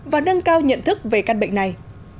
và nâng cao nhận thức về các bệnh này